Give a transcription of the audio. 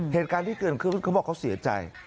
เหตุการณ์ที่เกิดขึ้นเขาบอกเขาเสียใจ